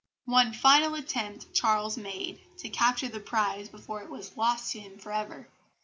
One final attempt Charles made to capture the prize before it was lost to him for ever.